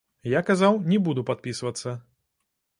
Я казаў, не буду падпісвацца.